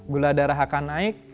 gula darah akan naik